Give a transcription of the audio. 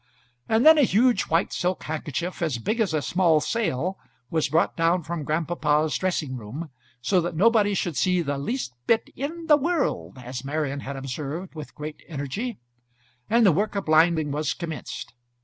And then a huge white silk handkerchief, as big as a small sail, was brought down from grandpapa's dressing room, so that nobody should see the least bit "in the world," as Marian had observed with great energy; and the work of blinding was commenced.